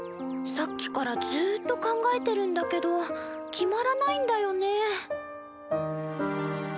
さっきからずっと考えてるんだけど決まらないんだよね。